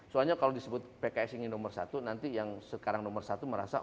soalnya kalau disebut pks ingin nomor satu nanti yang sekarang nomor satu merasa